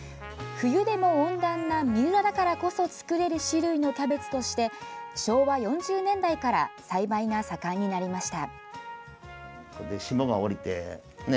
冬でも温暖な三浦だからこそ作れる種類のキャベツとして昭和４０年代から栽培が盛んになりました。